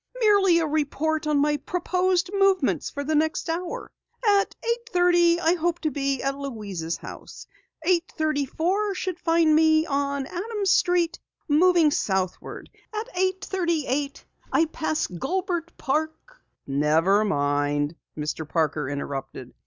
"Merely a report on my proposed movements for the next hour. At eight thirty I hope to be at Louise's house. Eight thirty four should find me on Adams Street, moving southward. At eight thirty eight I pass Gulbert Park " "Never mind," Mr. Parker interrupted.